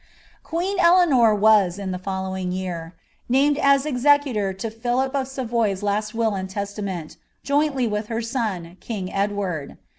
Qneen Eleanor was, in the following year, named aa executor to Philip of Savoy's laat will and testament, jointly wiili her son, kinc Ed' war<l.